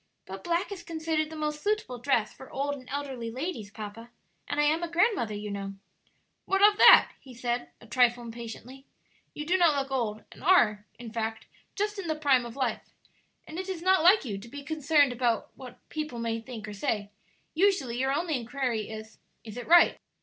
"But black is considered the most suitable dress for old and elderly ladies, papa; and I am a grandmother, you know." "What of that?" he said, a trifle impatiently; "you do not look old, and are, in fact, just in the prime of life. And it is not like you to be concerned about what people may think or say. Usually your only inquiry is, 'Is it right?'